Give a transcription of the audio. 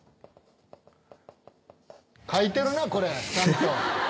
描いてるなこれちゃんと。